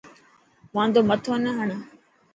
واندو مٿو نه هڻ.